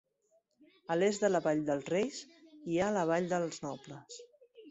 A l'est de la vall dels Reis, hi ha la vall dels nobles.